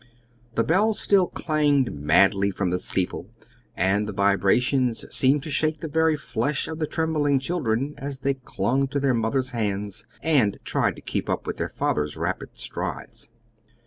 The bell still clanged madly from the steeple, and the vibrations seemed to shake the very flesh of the trembling children as they clung to their mother's hands and tried to keep up with their father's rapid strides.